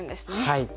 はい。